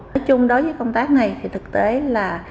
nói chung đối với công tác này thì thực tế là